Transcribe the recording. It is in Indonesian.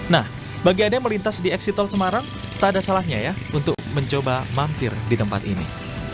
nah bagi anda yang melintas di eksitol semarang tak ada salahnya ya untuk mencoba mampir di tempat ini